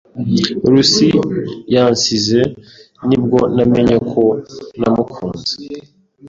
Lucy yansize ni bwo namenye ko namukunze.